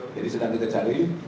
jadi sedang kita cari